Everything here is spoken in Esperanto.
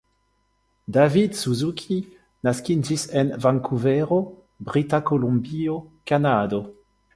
David Suzuki naskiĝis en Vankuvero, Brita Kolumbio, Kanado.